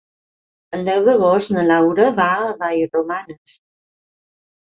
El deu d'agost na Laura va a Vallromanes.